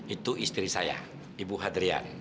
itu istri saya ibu hadrian